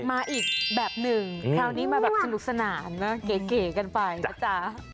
มาอีกแบบหนึ่งคราวนี้มาแบบสนุกสนานนะเก๋กันไปนะจ๊ะ